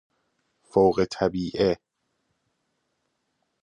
فوق الطبیعه